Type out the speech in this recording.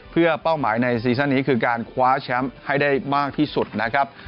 เพื่อเป้าหมายในซีซั่นนี้คือการคว้าแชมป์ให้ได้มากที่สุดนะครับ